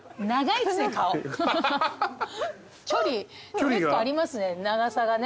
距離結構ありますね長さがね。